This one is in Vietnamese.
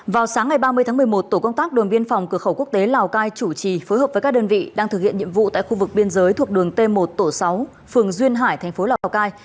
vào sáng ngày ba mươi tháng một mươi một tổ công tác đồn biên phòng cửa khẩu quốc tế lào cai chủ trì phối hợp với các đơn vị đang thực hiện nhiệm vụ tại khu vực biên giới thuộc đường t một tổ sáu phường duyên hải thành phố lào cai